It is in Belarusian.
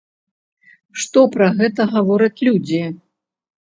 Што пра гэта гавораць людзі?